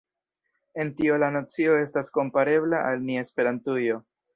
En tio la nocio estas komparebla al nia Esperantujo.